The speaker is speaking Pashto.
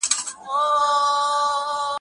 د ګران وطن په غېږ کې آه وباسه